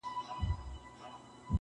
نو مي مخ کی د نیکه د قبر خواته-